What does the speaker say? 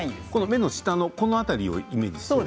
目の下の辺りをイメージして。